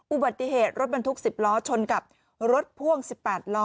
อุบัติเหตุรถบรรทุก๑๐ล้อชนกับรถพ่วง๑๘ล้อ